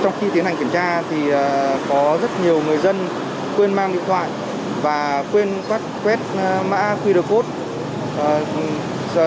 trong khi tiến hành kiểm tra thì có rất nhiều người dân quên mang điện thoại và quên quét các quét mã qr code